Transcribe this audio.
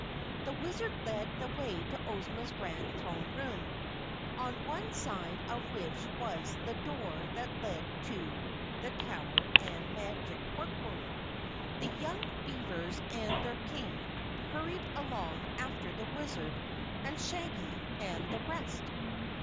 The Wizard led the way to Ozma's Grand Throne Room, on one side of which was the door that led to the tower and Magic Workroom. The young beavers and their King hurried along after the Wizard and Shaggy and the rest.